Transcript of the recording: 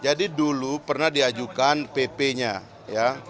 jadi dulu pernah diajukan pp nya ya